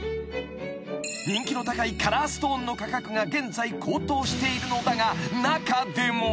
［人気の高いカラーストーンの価格が現在高騰しているのだが中でも］